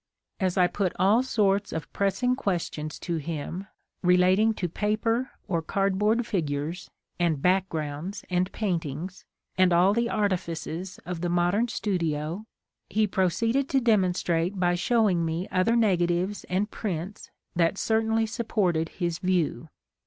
As I put all sorts of pressing questions to him, relating to paper or cardboard figures, and backgrounds and paintings, and all the artifices of the modern studio, he proceeded to demonstrate by showing me other nega tives and prints that certainly supported his view.